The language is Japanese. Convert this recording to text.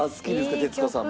徹子さんも。